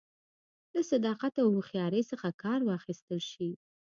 له صداقت او هوښیارۍ څخه کار واخیستل شي